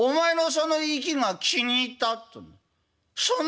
『その意気が気に入った！